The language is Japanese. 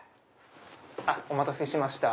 お待たせしました。